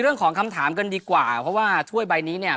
เรื่องของคำถามกันดีกว่าเพราะว่าถ้วยใบนี้เนี่ย